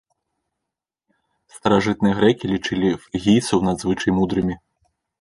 Старажытныя грэкі лічылі фрыгійцаў надзвычай мудрымі.